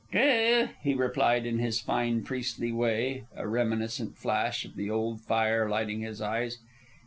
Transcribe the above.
"True," he replied in his fine, priestly way, a reminiscent flash of the old fire lighting his eyes.